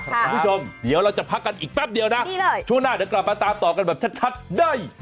คุณผู้ชมเดี๋ยวเราจะพักกันอีกแป๊บเดียวนะช่วงหน้าเดี๋ยวกลับมาตามต่อกันแบบชัดได้